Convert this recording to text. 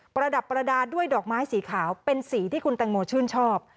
ระดับประดาษด้วยดอกไม้สีขาวเป็นสีที่คุณแตงโมชื่นชอบ